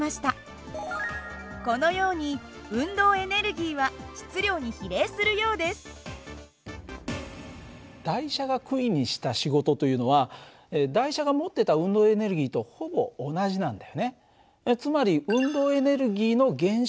このように台車が杭にした仕事というのは台車が持ってた運動エネルギーとほぼ同じなんだよね。